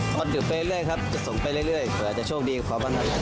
ต้องถือไปเรื่อยครับจะส่งไปเรื่อยเผื่อจะโชคดีของเขาบ้าง